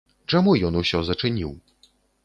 Чаму ён усё зачыніў?